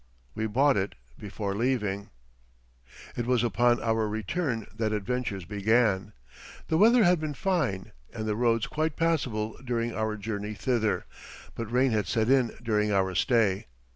We bought it before leaving. It was upon our return that adventures began. The weather had been fine and the roads quite passable during our journey thither, but rain had set in during our stay.